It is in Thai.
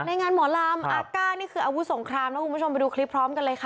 ในงานหมอลำอาก้านี่คืออาวุธสงครามนะคุณผู้ชมไปดูคลิปพร้อมกันเลยค่ะ